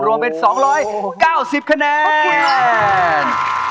รวมเป็น๒๙๐คะแนน